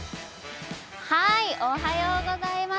おはようございます。